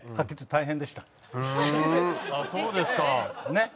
ねっ？